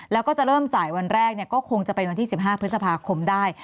แล้วก็จะเริ่มจ่ายวันแรกก็คงจะเป็นวันที่๑๕พฤษภาคมได้